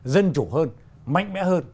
dân chủ hơn mạnh mẽ hơn